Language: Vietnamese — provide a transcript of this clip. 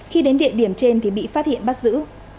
khi đến địa điểm trên thì bị phát hiện bắt giữ